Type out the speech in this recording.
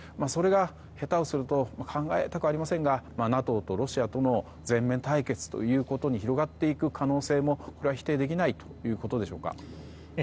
それが下手をすると考えたくありませんがＮＡＴＯとロシアとの全面対決ということに広がっていく可能性も否定できないということでしょうか。